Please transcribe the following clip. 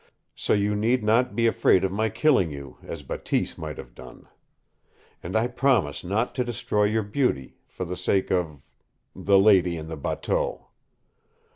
So you need not be afraid of my killing you, as Bateese might have done. And I promise not to destroy your beauty, for the sake of the lady in the bateau.